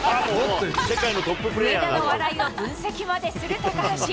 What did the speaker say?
上田の笑いを分析までする高橋。